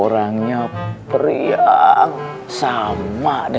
lalu apa kamu